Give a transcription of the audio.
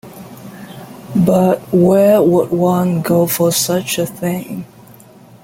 But where would one go for such a thing?